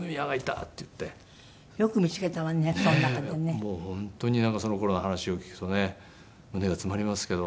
もう本当にその頃の話を聞くとね胸が詰まりますけど。